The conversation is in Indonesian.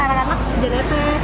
anak anak jahil metes